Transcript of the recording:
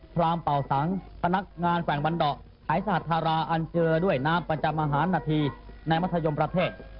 พรามเป่าสังพนักงานแขวงบันดอกหายสาธาราอันเจอด้วยน้ำประจำอาหารนาทีในมัธยมประเทศ